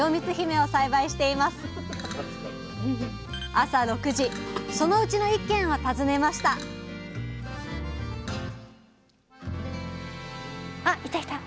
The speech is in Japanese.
朝６時そのうちの１軒を訪ねましたあいたいた！